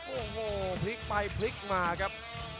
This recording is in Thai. โอ้โหพลิกไปพลิกมาครับ